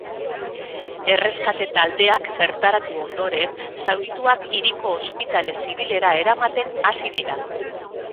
Erreskate taldeak bertaratu ondoren, zaurituak hiriko ospitale zibilera eramaten hasi dira.